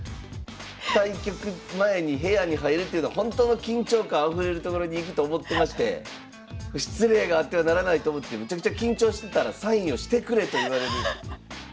対局前に部屋に入るっていうのはほんとの緊張感あふれる所に行くと思ってまして失礼があってはならないと思ってめちゃくちゃ緊張してたらサインをしてくれと言われる。